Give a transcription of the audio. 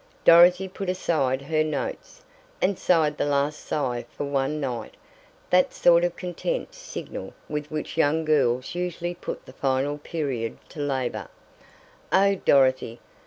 Dorothy put aside her notes, and sighed the last sigh for one night that sort of content signal with which young girls usually put the final period to labor. "Oh, Dorothy!"